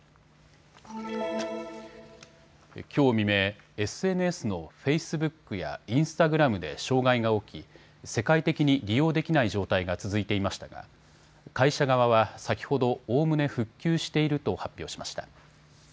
きょう未明、ＳＮＳのフェイスブックやインスタグラムで障害が起き、世界的に利用できない状態が続いていましたが会社側は先ほどおおむね復旧していると発表しました。